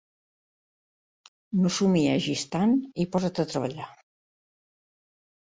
No somiegis tant i posa't a treballar!